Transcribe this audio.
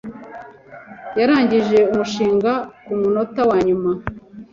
Yarangije umushinga kumunota wanyuma.